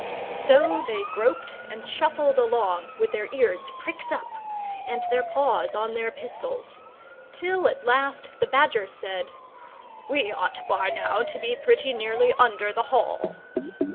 So they groped and shuffled along, with their ears pricked up and their paws on their pistols, till at last the Badger said, "We ought by now to be pretty nearly under the Hall."